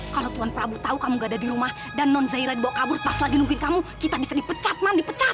kalau tuan prabu tahu kamu gak ada di rumah dan non zairah dibawa kabur pas lagi nungguin kamu kita bisa dipecat man dipecat